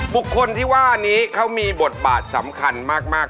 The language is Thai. บุคคลที่ว่านี้เขามีบทบาทสำคัญมาก